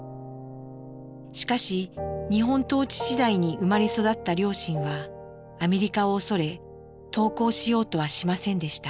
しかし日本統治時代に生まれ育った両親はアメリカを恐れ投降しようとはしませんでした。